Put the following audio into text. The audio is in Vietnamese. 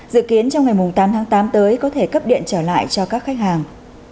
dự kiến trong ngày tám tháng tám tới có thể cấp điện trở lại cho các khách hàng